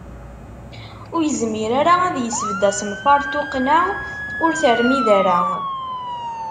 Ur yezmir ara ad isbedd asenfaṛ, tuqqna ur termid ara.